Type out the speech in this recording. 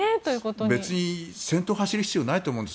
別に先頭を走る必要はないと思うんです。